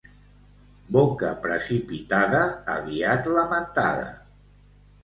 Boca precipitada, aviat lamentada.